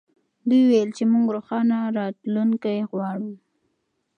دوی وویل چې موږ روښانه راتلونکې غواړو.